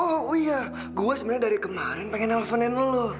oh iya gue sebenarnya dari kemarin pengen nelfonin lo